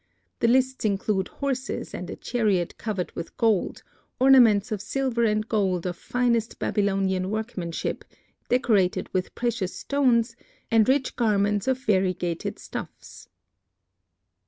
The lists include horses and a chariot covered with gold, ornaments of silver and gold of finest Babylonian workmanship, decorated with precious stones and rich garments of variegated stuffs.